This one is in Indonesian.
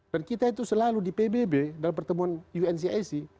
dan kita itu selalu di pbb dan pertemuan uncac